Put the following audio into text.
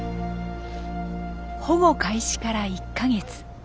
保護開始から１か月。